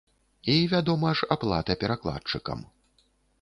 І, вядома ж, аплата перакладчыкам.